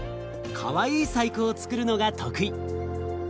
かわいい細工をつくるのが得意。